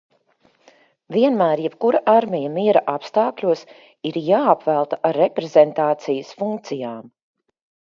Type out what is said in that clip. Vienmēr jebkura armija miera apstākļos ir jāapvelta ar reprezentācijas funkcijām.